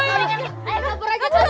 holy kayaknya itu bukan gym